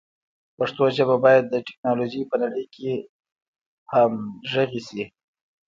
پښتو ژبه باید د ټکنالوژۍ په نړۍ کې همغږي شي.